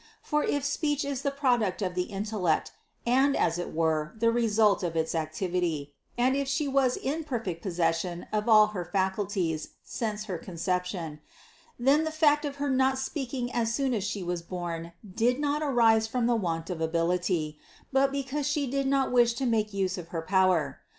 For if speech is the product of the intellect and as it were the result of its activity, and if She was in perfect possession of all her faculties since her Conception, then the fact of her not speaking as soon as She was born, did not arise from the want of ability, but because She did not wish to make use of her power.